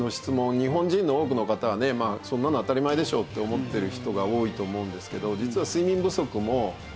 日本人の多くの方はね「そんなの当たり前でしょ」って思ってる人が多いと思うんですけど実は。